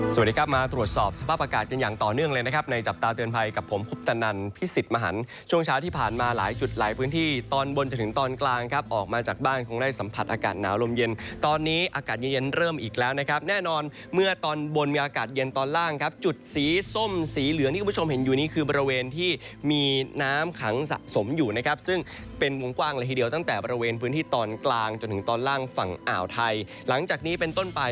สวัสดีครับมาตรวจสอบสภาพอากาศกันอย่างต่อเนื่องเลยนะครับในจับตาเตือนภัยกับผมคุปตนันพิศิษฐ์มหันต์ช่วงเช้าที่ผ่านมาหลายจุดหลายพื้นที่ตอนบนจนถึงตอนกลางครับออกมาจากบ้านคงได้สัมผัสอากาศหนาวลมเย็นตอนนี้อากาศเย็นเริ่มอีกแล้วนะครับแน่นอนเมื่อตอนบนมีอากาศเย็นตอนล่างคร